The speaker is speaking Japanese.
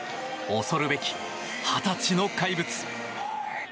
恐るべき２０歳の怪物。